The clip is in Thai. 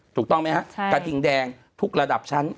ถูกต้องไหมฮะกระทิงแดงทุกระดับชั้น